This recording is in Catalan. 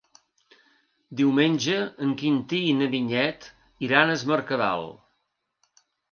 Diumenge en Quintí i na Vinyet iran a Es Mercadal.